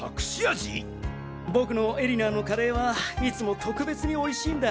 僕の絵里菜のカレーはいつも特別に美味しいんだ。